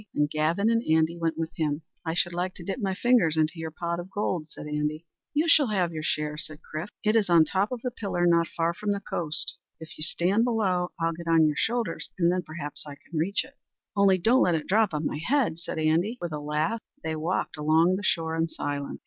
And Gavin and Andy went with him. "I should like to dip my fingers into your pot of gold," said Andy. "You shall have your share," said Chrif. "It is on the top of a pillar not far from the coast. If you'll stand below, I'll get on your shoulders, and then perhaps I can reach it." "Only don't let it drop on my head," said Andy, with a laugh. They walked along the shore in silence.